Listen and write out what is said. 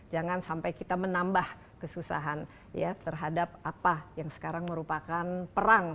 jangan sampai kita menambah kesusahan ya terhadap apa yang sekarang merupakan perang